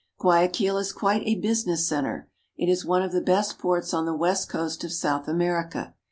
Guayaquil is quite a business center. It is one of the best ports on the west coast of South America.